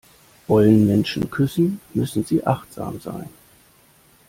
Wollen Menschen küssen, müssen sie achtsam sein.